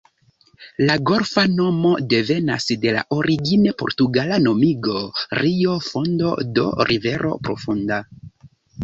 La golfa nomo devenas de la origine portugala nomigo "Rio Fondo", do "rivero profunda".